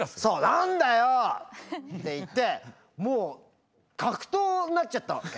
「何だよ！？」って言ってもう格闘になっちゃったわけ。